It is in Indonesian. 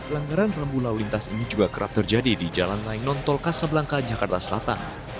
langgaran rambu lalu lintas ini juga kerap terjadi di jalan layang nontol kasablangka jakarta selatan